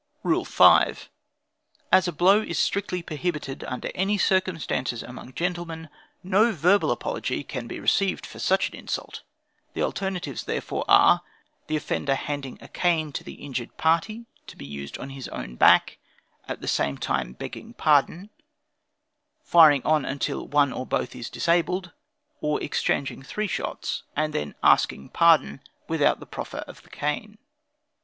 "Rule 5. As a blow is strictly prohibited under any circumstances among gentlemen, no verbal apology can be received for such an insult; the alternatives therefore are: the offender handing a can to the injured party, to be used on his own back, at the same time begging pardon; firing on until one or both is disabled; or exchanging three shots, and then asking pardon without the proffer of the cane.